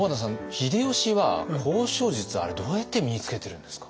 秀吉は交渉術あれどうやって身につけてるんですか？